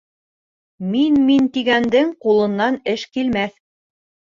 Мин-мин тигәндең ҡулынан эш килмәҫ.